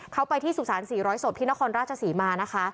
เขาไปที่สุสาน๔๐๐ศพที่นครราชศรีมานะคะ